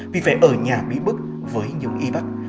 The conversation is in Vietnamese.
vì phải ở nhà bí bức với nhiều y bác